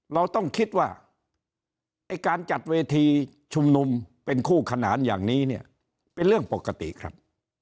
เราต้องคิดว่าไอ้การจัดเวทีชุมนุมเป็นคู่ขนานอย่างนี้เนี่ยเป็นเรื่องปกติครับ